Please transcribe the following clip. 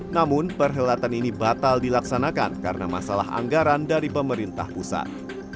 namun perhelatan ini batal dilaksanakan karena masalah anggaran dari pemerintah pusat